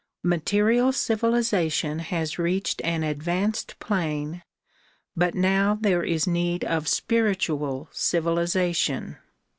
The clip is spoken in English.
Material civilization has reached an advanced plane but now there is need of spiritual civilization.